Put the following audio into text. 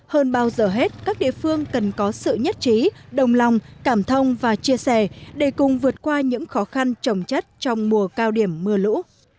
hơn bao giờ hết các địa phương cần có sự nhất trí đồng lòng cảm thông và chia sẻ để cùng vượt qua những khó khăn trồng chất trong mùa cao điểm mưa lũ